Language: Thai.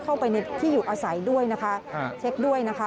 เข้าไปในที่อยู่อาศัยด้วยนะคะเช็คด้วยนะคะ